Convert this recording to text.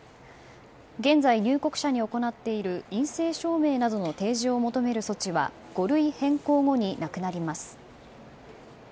現在、入国者に行っている陰性証明などの提示を求める措置は５類変更後になくなります。